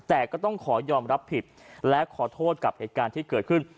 แต่ก็ต้องขอยอมรับผิดและขอโทษกับเหตุการณ์ที่เกิดขึ้น